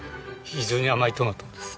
非常に甘いトマトです。